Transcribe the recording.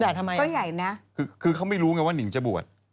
แต่ทำไมอะคือเขาไม่รู้ไงว่าหนิงจะบวช